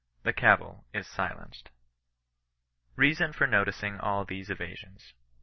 The cavil is sUenced. BEASON FOB NOTICING ALL THESE EVASIONS.